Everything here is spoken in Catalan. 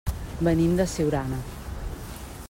Venim de Siurana.